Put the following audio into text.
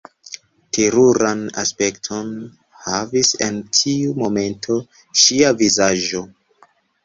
Teruran aspekton havis en tiu momento ŝia vizaĝo.